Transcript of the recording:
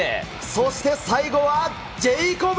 そして最後はジェイコブ。